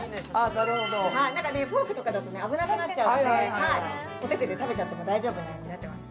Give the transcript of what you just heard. なるほどフォークとかだと危なくなっちゃうのでお手手で食べちゃっても大丈夫なようになってます